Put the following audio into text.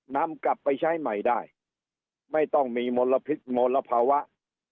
นำกลับไปใช้ใหม่ได้ไม่ต้องมีมลพิษมลภาวะ